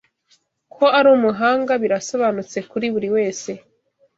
Ko ari umuhanga birasobanutse kuri buri wese.